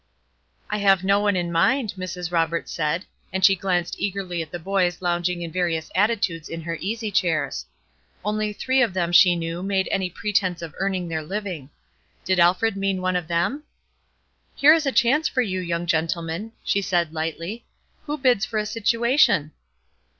"I have no one in mind," Mrs. Roberts said, and she glanced eagerly at the boys lounging in various attitudes in her easy chairs. Only three of them she knew made any pretence of earning their living. Did Alfred mean one of them? "Here is a chance for you, young gentlemen," she said, lightly, "who bids for a situation?"